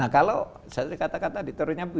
kalau saya kata kata di terunya